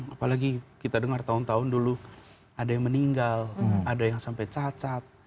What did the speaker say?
apalagi kita dengar tahun tahun dulu ada yang meninggal ada yang sampai cacat